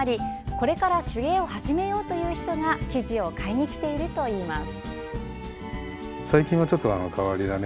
これから手芸を始めようという人が生地を買いに来ているといいます。